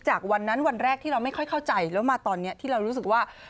จากวันนั้นวันแรกที่เราไม่ค่อยเข้าใจแล้วมาตอนนี้ที่เรารู้สึกว่า